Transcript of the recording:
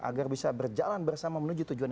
agar bisa berjalan bersama menuju tujuan